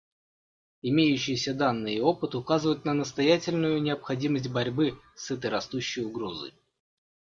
Имеющиеся данные и опыт указывают на настоятельную необходимость борьбы с этой растущей угрозой.